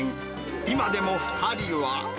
今でも２人は。